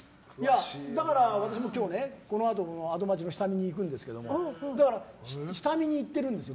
だから私も今日このあと「アド街」の下見に行くんですけど下見に行ってるんですよ。